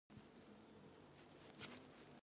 مډرن نقاشي غورځنګ د امپرسیونیېم په نوم منځ ته راغی.